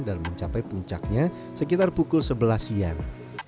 dan mencapai puncaknya sekitar pukul sebelas siang